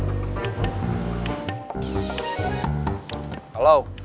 bubun sudah digeser kang darman